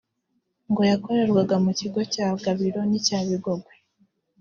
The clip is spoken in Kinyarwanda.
ngo yakorerwaga mu kigo cya Gabiro n’icya Bigogwe